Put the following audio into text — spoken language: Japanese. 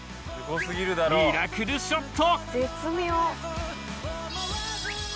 ミラクルショット！